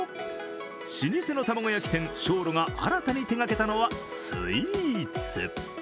老舗の卵焼き店、松露が新たに手がけたのはスイーツ。